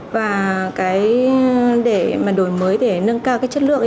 và đổi mới để nâng cao chất lượng